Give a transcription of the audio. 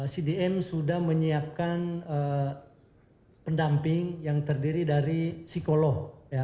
cdm sudah menyiapkan pendamping yang terdiri dari psikolog